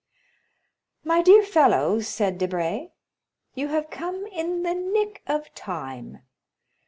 "My dear fellow," said Debray, "you have come in the nick of time.